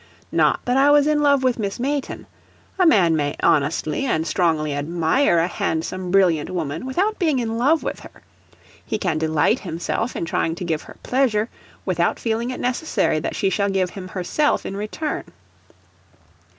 Not that I was in love with Miss Mayton; a man may honestly and strongly admire a handsome, brilliant woman without being in love with her; he can delight himself in trying to give her pleasure, without feeling it necessary that she shall give him herself in return.